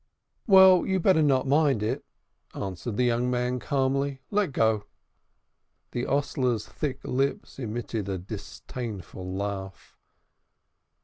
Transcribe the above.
"Well, you'd better not mind it," answered the young man calmly. "Let go."' The hostler's thick lips emitted a disdainful laugh.